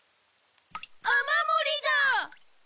雨漏りだ！